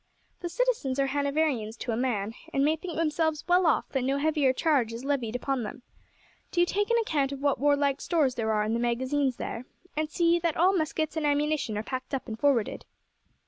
The citizens are Hanoverians to a man, and may think themselves well off that no heavier charge is levied upon them. Do you take an account of what warlike stores there are in the magazines there, and see that all muskets and ammunition are packed up and forwarded."